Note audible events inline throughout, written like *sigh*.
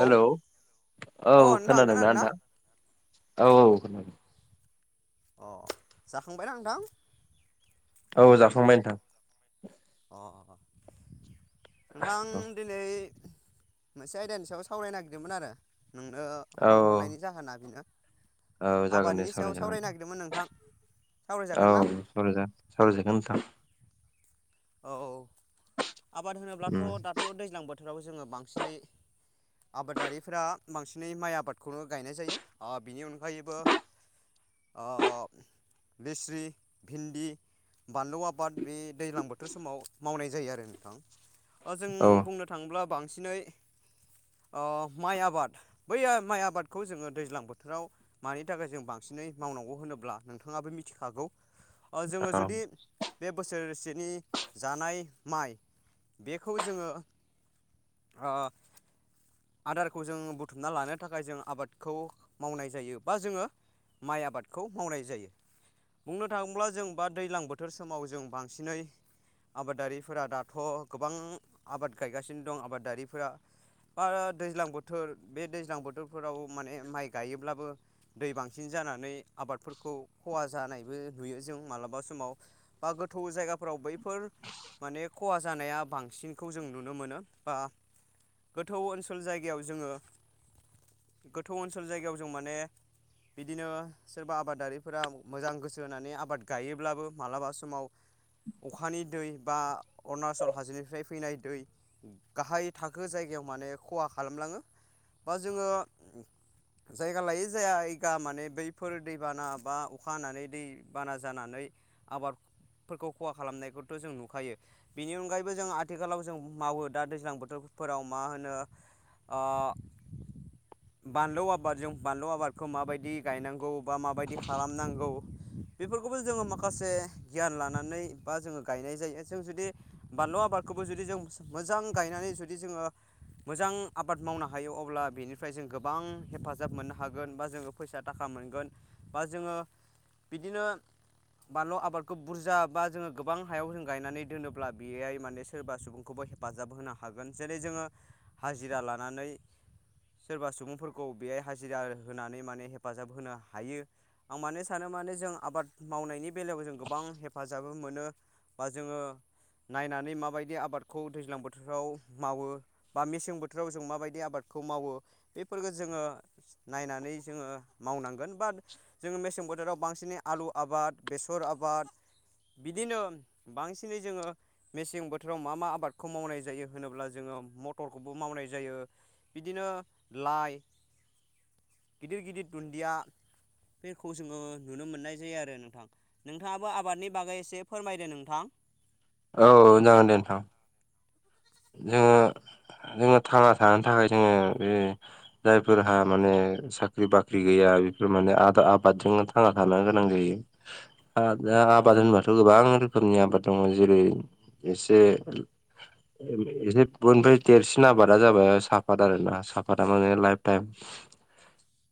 Hello औ अ नोंथां खोनादों खोनादोंना ना नोंथां औ औ अ जाखांबायना नोंथां औ जाखांबाय नोंथां। अ नोंथां दिनै मोनसे आयदानि सायाव सावरायनो नागिरदोंमोन आरो नोंनो औ फन हरनायनि जाहोना बेनो औ जागोन दे आबादनि सावराय सायाव जागोन। सावरायनो नागिरदोंमोन नोंथां औ सावरायजागोन ना सावराय जा सावराय जागोन नोंथां। औ औ आबाद होनोब्लाथ' उम दाथ' दैज्लां बोथोराव जोङो बांसिनै आबादारिफोरा बांसिनै माइ आबादखौनो गायनाय जायो। आ बिनि अनगायैबो अ लेस्रि, भिन्दि, बानलु आबाद बे दैलां बोथ थोर समाव मावनाय जायो आरो नोंथां। ओ जों औ बुंनो थाङोब्ला बांसिनै ओ माइ आबाद बै आ माइ आबादखौ जोङो दैज्लां बोथोराव मानि थाखाय जों बांस सिनै मावनांगौ होनोब्ला नोंथाङाबो मिथिखागौ। ओ जोङो औ जुदि बे बोसोरसेनि जानाय माइ बेखौ जोङो ओ आदारखौ जों बुथुमना लानो थाखाय जों आबादखौ मावनाय जायो बा जोङो माइ आबादखौ मावनाय जायो। बुंनो थाङोब्ला जों बा दैलां बोथोर समाव जों बांसिनै आबादारिफोरा दाथ' गोबां आबाद गायगासिनो दं आबादारिफोरा। बा दैज्लां बोथोर बे दैज्लां बोथोरफोराव माने माइ गायोब्लाबो दै बांसिन जा जानानै आबादफोरखौ खहा जानायबो नुयो जों मालाबा समाव। बा गोथौ जायगाफोराव बै फोर माने खहा जानाया बांसिनखौ जों नुनो मोनो। बा गोथौ ओनसोल जायगायाव जोङो गोथौ ओनसोल जायगायाव जों माने बिदिनो सोरबा आबादारिफोरा मोजां गोसो होनानै आबाद गायोब्लाबो मालाबा समाव *inaudible* अखानि दै बा अरुणाचल हाजोनिफ्राय फैनाय दै गाहाय थाखो जायगायाव मान ने खहा खालामलाङो। बा जोङो जायगा लायै जाया गा माने बैफोर दैबाना बा अखा हानानै दैबाना जानानै आबादफोरखौ खहा खालामनायखौथ' जों नुखायो बिनि अनगायैबो जों आथिखालाव जों मावो दा दैज्लां बोथोरफोराव मा आ होनो ओ बानलौ आबादजों बानलौ आबादखौ माबायदि गायनांगौ बा माबायदि खालामनांगौ बेफोरखौबो जोङो माखासे गियान लानानै बा जोङो गायनाय जायो। जों जुदि बानलु आबादखौबो जुदि जों मोजां गायनानै जुदि जोङो मोजां आबाद मावनो हायो अब्ला बेनिफ्राय जों गोबां हेफाजाब मोननो हागोन बा जोङो फैसा थाखा मोनगोन बा जोङो बिदिनो बानलु आबादखौ बुरजा बा जोङो गोबां हायाव जों गायनानै दोनोब्ला बेयाय माने सोरबा सुबुंखौबो हेफाजाब होनो हागोन। जेरै जोङो हाजिरा लानानै सोरबा सुबुंफोरखौ बेयाय हाजिरा होनानै माने हेफाजाब होनो हायो। आं माने सानो माने जों आबाद मावनायनि बेलायाव जों गोबां हेफाजाबो मोनो बा जोङो नायनानै माबायदि आबादखौ दैज्लां बोथोराव मावो बा मेसें बोथोराव जों माबायदि आबाद खौ मावो बेफोरफोरखौ जोङो नायनानै जोङो मावनांगोन। बाद जोङो मेसें बोथोराव बांसिनै आलु आबाद, बेसर आबाद बिद दिनो बांसिनै जोङो मेसें बोथोराव मा मा आबादखौ मावनाय जायो होनोब्ला जोङो म टरखौबो मावनाय जायो बिदिनो लाइ गिदिर गिदिर दुन्डिया बेखौ जोङो नुनो मोननाय जायो आरो नोंथां। नोंथाङाबो आबादनि बागै एसे फोरमायदो नोंथां। औ जागोन दे नोंथां। जोङो जोङो थांना थानो थाखाय जोङो बे जायफोरहा माने साख्रि बाख्रि गैया आ बेफोर माने आदा आबादजोंनो थांना थानो गोनां जायो। आ दा आबाद होनबाथ' गोबां गोबां रोखोमनि आबाद दङ जेरै एसे एसे बयनिफ्राय देरसिन आबादा जाबाय साफत आरोना साफाता माने लाइफ टाइम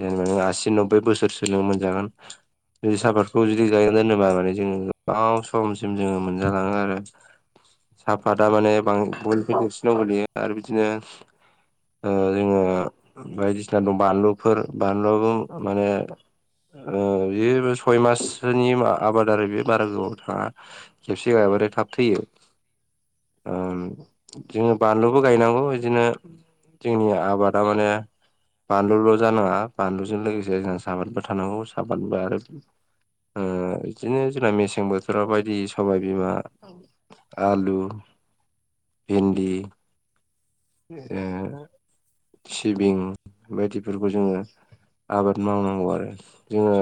जेनेबा नों आसि नबबै बोसोर सो नों मोनजागोन ज सापातखौ जुदि गायनानै दोनोबा माने जोङो गोबाव समसिम जोङो मोनजालाङो आरो साहाफाता माने बां बयनिख्रुयखौ देरसिनाव गोलैयो आरो बिदिनो ओ जोङो बायदिसिना दं बानलुफोर बानलुआबो माने ओ बे सय माससोनि आबाद आरो बे बारा गोबाव थाङा खेबसे गाय बाथाय थाब थैयो। *inaudible* ओम जोङो बानलुबो गायनांगौ बिदिनो जोंनि आबादा माने बानलुल' जानाङा बानलुजों लोगोसे जोंहा साहफातबो थानांगौ साहफातबो आरो ओ बिदिनो जोंना मेसें बोथोराव बायदि सबायबिमा आलु भिन्दि ए सिबिं बायदिफोरखौ जोङो आबाद मावनांगौ आरो जोङो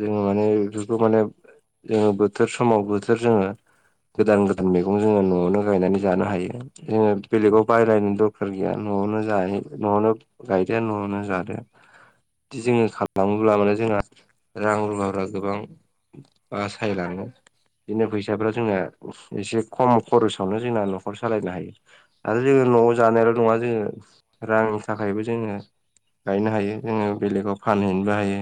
जोङो माने बेफोरखौ माने जोङो बोथोर समाव बोथोर जोङो गोदान गोदान मै गं जोङो न'आवनो गायनानै जानो हायो जोङो बेलेगाव बायलायनो दरखार गैया न'आवनो जा हायो न'आवनो गायदो न'आवनो जादो। जोङो खालामोब्ला माने जोंहा रां रुफाफ्रा गोबां बासायलाङो बिदिनो फैसाफ्रा जोंना एसे खम खरसावनो जोंना न'खर सालायनो हायो आरो जोङो न'आव जानायल' नङा जोङो रां नि थाखायबो जोङो गायनो हायो जोङो बेलेगाव फानहैनोबो हायो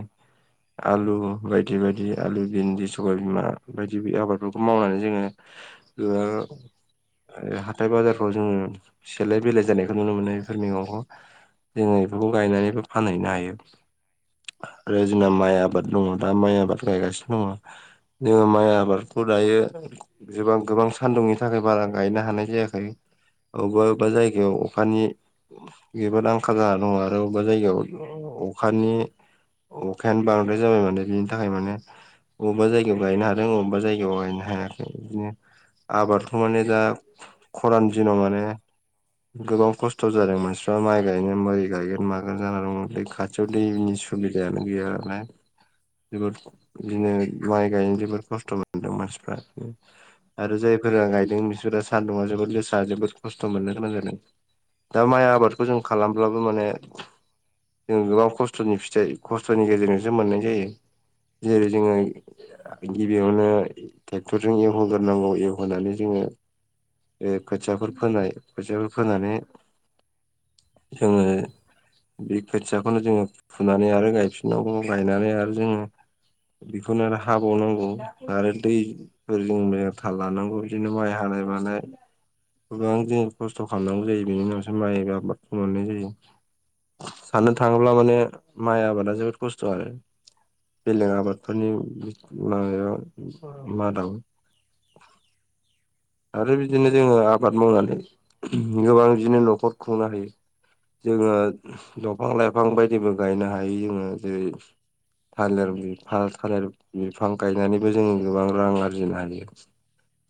आलु बायदि बायदि आलु भिन्दि सबाय बिमा बायदि आबादफोरखौ मावनानै जोङो *unintelligible* आरो हाथाय बाजारफ्राव जोङो सेलाय बेलाय जानायखौ नुनो मोनो बेफोर मैगंखौ। जोङो बेफोरखौ गायनानैबो फानहैनो हायो आरो जोंना माइ आबाद दङ दा माइ आबाद गायगासिनो दङ जोङो माइ आबादखौ दायो गोबां गोबां सान्दुंनि थाखाय बारा गायनो हानाय जायाखै अबेबा अबेबा जायगायाव अखानि बेब आंखाल जा दङ आरो अबेबा जायगायाव अखानि अखायानो बांद्राय जाबाय माने बिनि थाखाय माने अबेबा जायगायाव गायनो हादों अबेबा जायगायाव गायनो हायाखै बिदिनो आबादथ' माने दा खरान दिनाव माने गोबां खस्थ' जादों मानसिफ्रा माइ गायनो मादि गायगोन मागोन जानानानै दङ खाथियाव दैनि सोबिदायानो गैया जोबोद बिदिनो माइ गायनो जोबोद खस्थ' मोनदों मानसिफ्रा आरो जायफोरा आं गायदों बिसोरो सान्दुंङआ जोबोद गोसा जोबोद खस्थ' मोननो गोनां जादों दा माइ आबादखौ जों खालामब्लाबो माने जों गोबां खस्थ'नि फिथाइ खस्थ'नि गेजेरजोंसो मोननाय जायो जेरै जोङो गिबियावनो ट्रेक्टरजों एवहोगोन नांगौ एवहोनानै जोङो बे खोथियाफोर फोनाय खोथियाफोर फोनानै जोङो बे खोथियाखौनो जोङो फुनानै आरो गायफिननांगौ गायनानै आरो जोङो बेखौनो आरो हाबावनांगौ आरो दैफोर जों थाल लानांगौ बिदिनो माइ हानाय मानाय गोबां जों खस्थ' खालामनांगौ जायो बेनि उनावसो माइ आबादखौ मोननाय जायो साननो थाङोब्ला माने माइ आबादा जोबोद खस्थ' आरो बेलेग आबादफोरनि माबायाव मादाव *inaudible* आरो बिदिनो जोङो आबाद मावनानै गोबां बिदिनो न'खर खुंनो हायो। जोङो दंफां लाइफां बायदिबो गायनो हायो जोङो जेरै थालिर बिफां थालिर बिफां गायनानैबो जों गोबां रां आरजिनो हायो।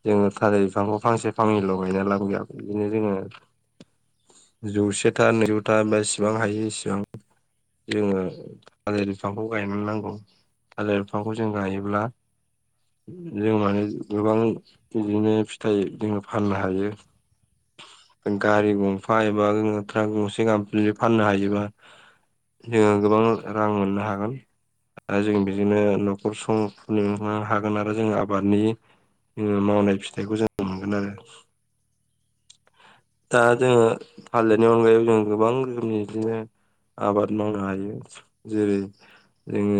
जोङो खाजै बिफांखौ फांसे फांनै लगायना लाबो गैया बिदिनो जोङो जौसे था नैजौथा बा इसिबां हायो इसिबां जोङो थालिर बिफांखौ गायनानै नांगौ। थालिर बिफांखौ जों गायोब्ला जों मानो गोबां बिदिनो फिथाइ जोङो फाननो हायो। गारि गंफा एबा ट्राक गंसे गाब जुदि फाननो हायोबा जोङो गोबां रां मोननो हागोन। आरो जों बेजोंनो न'खर संसार खुंनो हागोन आरो जों आबादनि जोङो मावनाय फिथखौ जोङो मोनगोन आरो। *inaudible* दा जोङो थालिरनि अनगायै जों गोबां रोखोमनि बिदिनो आबाद मावनो हायो जेरै जोङो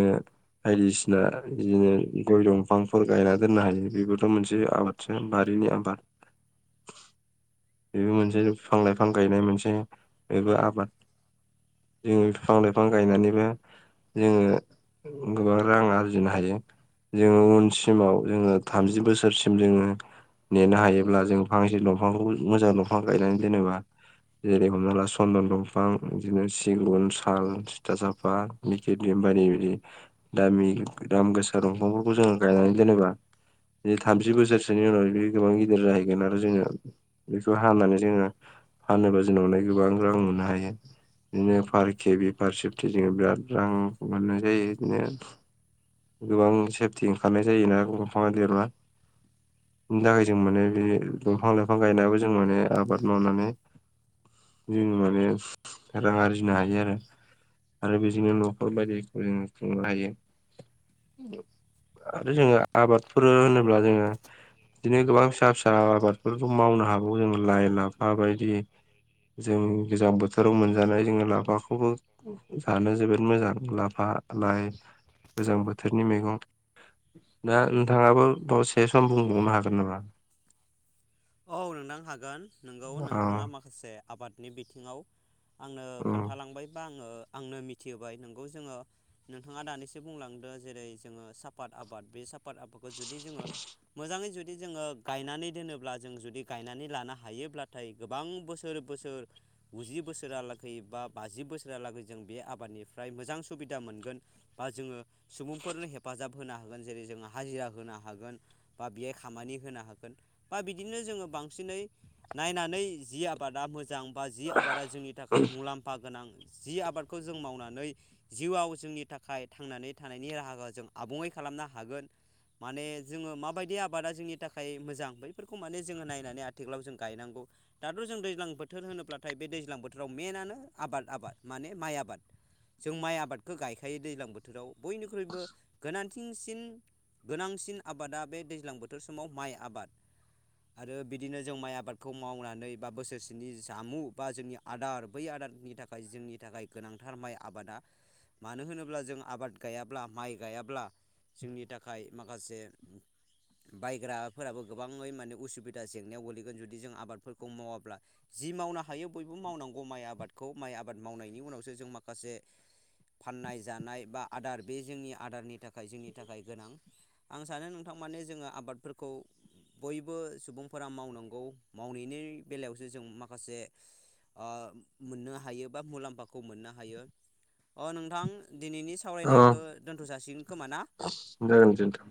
बायदिसिना बिदिनो गय दंफांफोर गायना दोननो हायो। बेबोथ' मोनसे आबादसो बारिनि आबाद बेबो मोनसेफां लाइफां गायनाय मोनसे बेबो आबाद जोङो बिफां लाइफां गायनानैबो जोङो गोबां रां आरजिनो हायो जोङो उनसिमाव जोङो थामजि बोसोरसिम जोङो नेनो हायोब्ला जों फांसे दंफांखौ मोजां दंफां गायनानै मोजां दंफां गायनानै दोनोबा बा जेरै हमना ला सन्दन दंफां बिदिनो सिगुन साल टिथा साफ बायदि बायदि बिदि दामि दाम गोसा दंफांफोरखौ जोङो गायनानै दोनोबा *inaudible* बि थामजि बोसोरसोनि उनाव बे गोबां गिदिर जाहैगोन आरो जोङो बेखौ हानानै जोङो फानोबा उनावहाय गोबां रां मोननो हायो। बिदिनो पार केबि पार सेफ्टि जोङो बिराद रां मोननाय जायो बिदिनो। गोबां सेफटि ओंखारनाय जायोना बिफाङा देरबा बिनि थाखाय जों माने बे दंफां लाइफां गायनायाबो जों माने आबाद मावनानै जों माने रां आरजिनो हायो आरो। आरो बिजोंनो न'खर बायदिखौ जों खुंनो हायो। आरो जोङो आबादफोर होनोब्ला जोङो बिदिनो गोबां फिसा फिसा आबादफोरखौ मावनो हागौ जों लाइ लाफा बायदि जों गोजां बोथोराव मोनजानाय जोङो लाफाखौबो जानो जोबोद मोजां लाफा लाइ गोजां बोथोरनि मैगं दा नोंथाङाबो बाव से सम बुंबावनो हागोन नामा औ नोंथां हागोन नोंगौ नोंथाङा अ माखासे आबादनि बिथिङाव आंनो अ खोन्थालांबायबा आङो आंनो मिथिहोबाय नोंगौ जोङो नोंथाङा दानैसो बुंलांदो जेरै जोङो सापात आबाद बे साफात आबाद आबादखौ जुदि जोङो मोजाङै जुदि जोङो गायनानै दोनोब्ला जों जुदि गायनानै लानो हायोब्लाथाय गोबां बोसोर बोसोर गुजि बोसोरालागै बा बाजि बोसोरहालागै जों बे आबादनिफ्राय मोजां सुबिदा मोनगोन बा जोङो सुबुंफोरनो हेफाबा हेफाजाब होनो हागोन जेरै जोङो हाजिरा होनो हागोन बा बेहाय खामानि होनो हागोन बा बिदि बिदिनो जोङो बांसिनै नायनानै जि आबादा मोजां बा जि आबादा जोंनि थाखाय मुलाम्फा गोनां जि आबादखौ जों मावनानै जिउआव जोंनि थाखाय थांनानै थानायनि राहाखौ जों आबुङै खालामो खालामनो हागोन माने जोङो माबायदि आबादा जोंनि थाखाय मोजां बै फोरखौ माने जोङो नायनानै आथिखालाव जों गायनांग दाथ' जों दैज्लां बोथोर होनोब्लाथाय बे दैज्लां बोथोराव मेन जानो आबाद आबाद माने माइ आबाद जों माइ आबादखौ गायखायो दैज्लां बोथोराव बयनिख्रुइबो गोनांथि आथिंसिन गोनांसिन आबादा बे दैज्लां बोथोर समाव माइ आबाद आरो बिदिनो जों माइ आबादखौ मावनानै बा बोसोरसेनि जामु बा जोंनि आदार बै आदार नि थाखाय जोंनि थाखाय गोनांथार माइ आबादा मानो होनोब्ला जों आबाद गायाब्ला माइ गायाब्ला जोंनि थाखाय माखासे बायग्राफोराबो गोबाङै माने उसुबिदा जेंनायाव गोलैगोन जुदि जों आबादफोरखौ मावाब्ला जि मावनो हायो बयबो मावनांगौ नांगौ माइ आबादखौ माइ आबाद मावनायनि उनावसो जों माखासे फाननाय जानाय बा आदार बे जोंनि आदारनि थाखाय जोंनि थाखाय गोनां आं सानो नोंथां माने जोङो आबादफोरखौ बयबो सुबुंफोरा मावनांगौ मावनायनि बेलायावसो जों माखासे मोननो हायो बा मुलाम्फाखौ मोननो हायो अ नोंथां दिनैनि अ सावरायनायखौ दोनथ' जाासिगोन खोमा ना जागोन दे नोंथां।